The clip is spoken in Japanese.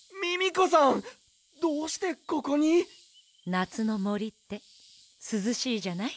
なつのもりってすずしいじゃない。